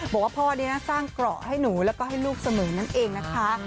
บอกว่าพ่อนี้นะสร้างเกราะให้หนูแล้วก็ให้ลูกเสมอนั่นเองนะคะ